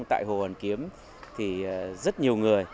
tại hồ hoàn kiếm thì rất nhiều người